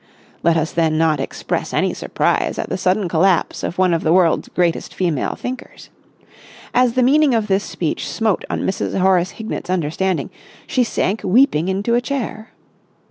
Let us then not express any surprise at the sudden collapse of one of the world's greatest female thinkers. As the meaning of this speech smote on Mrs. Horace Hignett's understanding, she sank weeping into a chair.